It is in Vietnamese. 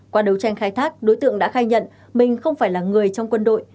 qua đấu tranh khai thác đối tượng đã khai nhận mình không phải là người trong quân đội